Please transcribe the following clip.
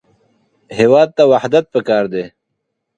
هېواد ته وحدت پکار دی